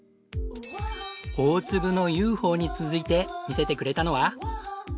大粒の雄宝に続いて見せてくれたのは。